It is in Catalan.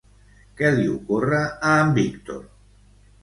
Què li ocorre a en Víctor?